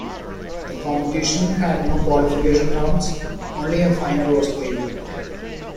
The competition had no qualification rounds; only a final was played.